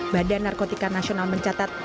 badan narkotika nasional mencatat